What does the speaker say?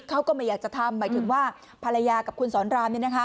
เขาก็ไม่อยากจะทำหมายถึงว่าภรรยากับคุณสอนราม